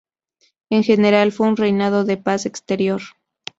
En general fue un reinado de paz exterior.